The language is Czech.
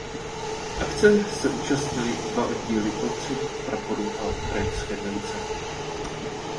Akce se účastnily i dva oddíly policejního praporu a ukrajinská milice.